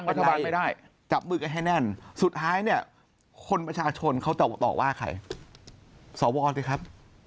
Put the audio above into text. ไม่ได้จับมือกันให้แน่นสุดท้ายเนี่ยคนประชาชนเขาจะต่อว่าใครสวสิครับ